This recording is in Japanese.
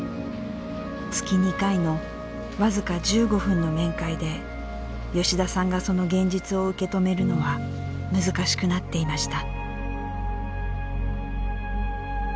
月２回の僅か１５分の面会で吉田さんがその現実を受け止めるのは難しくなっていました。